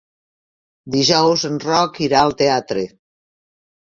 Dijous en Roc irà al teatre.